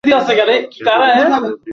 কিন্তু ঘরে এ জাতীয় কোনো বই নেই।